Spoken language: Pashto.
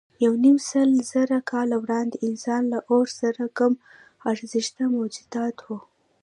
یونیمسلزره کاله وړاندې انسانان له اور سره کم ارزښته موجودات وو.